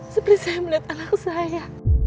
seperti saya melihat anak saya